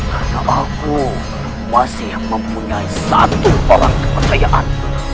karena aku masih mempunyai satu orang kepercayaan